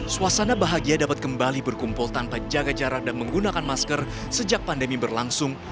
suasana bahagia dapat kembali berkumpul tanpa jaga jarak dan menggunakan masker sejak pandemi berlangsung